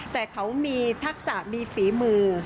แต่เขามีทักษะมีฝีมือ